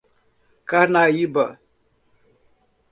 Carnaíba